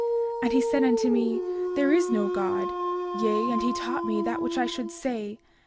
And he said unto me: There is no God; yea, and he taught me that which I should say.